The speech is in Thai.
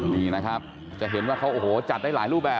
นี่นะครับจะเห็นว่าเขาโอ้โหจัดได้หลายรูปแบบ